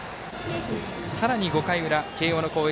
さらに５回裏、慶応の攻撃。